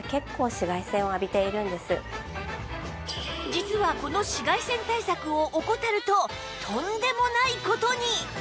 実はこの紫外線対策を怠るととんでもない事に！